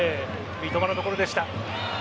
三笘のところでした。